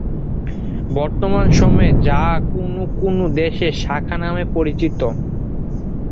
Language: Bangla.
বর্তমান সময়ে যা কোনো কোনো দেশে "শাখা" নামে পরিচিত।